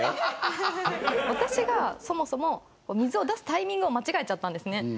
私がそもそも水を出すタイミングを間違えちゃったんですね。